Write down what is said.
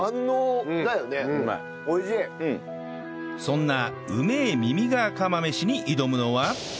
そんな梅ぇミミガー釜飯に挑むのは